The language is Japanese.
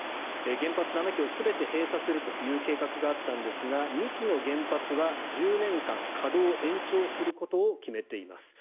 原発７基を全て閉鎖するという計画があったんですが２基の原発は１０年間稼働延長することを決めています。